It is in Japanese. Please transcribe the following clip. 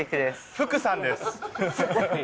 福さんです。